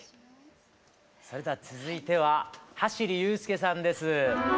それでは続いては走裕介さんです。